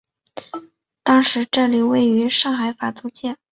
当时这里位于上海法租界。